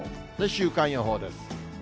週間予報です。